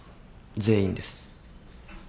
全員です。